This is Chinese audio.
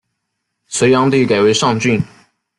隋炀帝改为上郡。